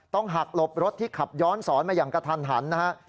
ต้องหักหลบรถที่ขับย้อนสอนมาอย่างกระทันหันนะฮะ